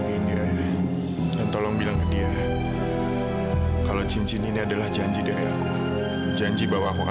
terima kasih bapak